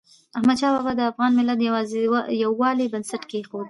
احمدشاه بابا د افغان ملت د یووالي بنسټ کېښود.